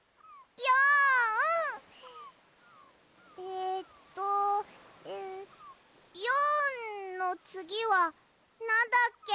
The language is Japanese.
えっと４のつぎはなんだっけ？